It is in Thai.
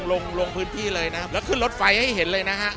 ลงลงพื้นที่เลยนะครับแล้วขึ้นรถไฟให้เห็นเลยนะฮะ